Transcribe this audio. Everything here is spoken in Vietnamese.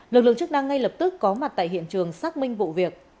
lực lượng chức năng ngay lập tức có mặt tại hiện trường xác minh vụ việc